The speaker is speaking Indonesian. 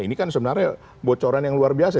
ini kan sebenarnya bocoran yang luar biasa